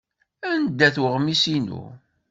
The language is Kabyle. Anda-t weɣmis-inu?